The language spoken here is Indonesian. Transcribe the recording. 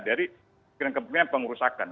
dari kemungkinan kemungkinan pengurusakan